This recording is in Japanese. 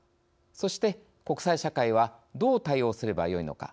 そして、国際社会はどう対応すればよいのか。